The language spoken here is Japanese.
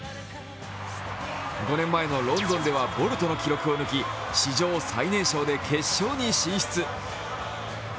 ５年前のロンドンではボルトの記録を抜き、史上最年少で決勝に進出。